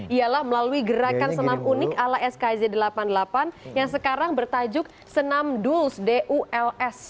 ialah melalui gerakan senam unik ala skz delapan puluh delapan yang sekarang bertajuk senam duls duls